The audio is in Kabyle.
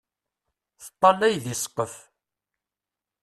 Teṭṭalay deg ssqef.